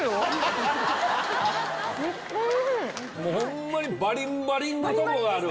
ホンマにバリンバリンのとこがある。